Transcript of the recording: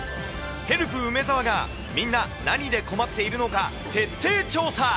ヘルプ梅澤が、みんな何で困っているのか徹底調査。